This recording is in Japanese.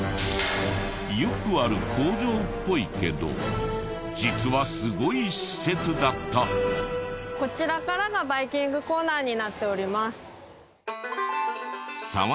よくある工場っぽいけどこちらからがバイキングコーナーになっております。